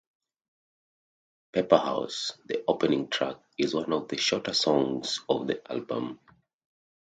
"Paperhouse", the opening track, is one of the shorter songs on the album.